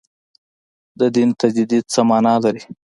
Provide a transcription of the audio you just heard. د دین تجدید څه معنا لري.